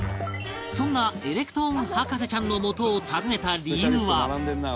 そんなエレクトーン博士ちゃんのもとを訪ねた理由は